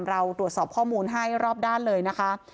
เราตรวจสอบข้อมูลให้รอบด้านเลยนะคะ